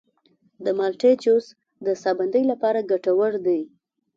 د مالټې جوس د ساه بندۍ لپاره ګټور دی.